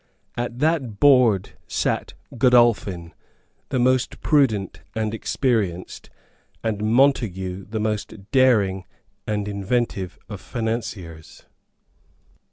At that Board sate Godolphin the most prudent and experienced, and Montague the most daring and inventive of financiers.